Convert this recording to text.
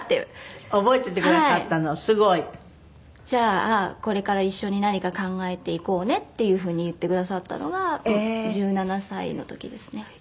「じゃあこれから一緒に何か考えていこうね」っていうふうに言ってくださったのが１７歳の時ですね。